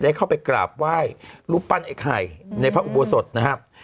เข้าไปกราบไหว้รูปปั้นไอ้ไข่ในพระอุโบสถนะครับ